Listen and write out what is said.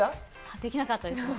できなかったです。